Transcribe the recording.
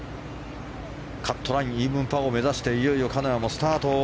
カットラインイーブンパーを目指していよいよ金谷もスタート。